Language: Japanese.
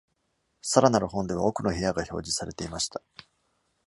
さらなる本では、奥の部屋が表示されていました。